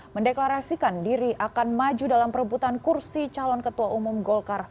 mendeklarasikan diri akan maju dalam perebutan kursi calon ketua umum golkar